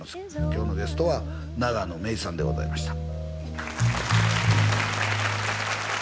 今日のゲストは永野芽郁さんでございました